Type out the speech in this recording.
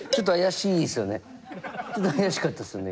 ちょっと怪しかったですよね